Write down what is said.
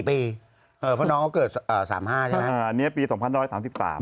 เพราะน้องเขาเกิด๓๕ใช่ไหม